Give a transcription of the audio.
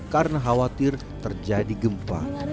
karena khawatir terjadi gempa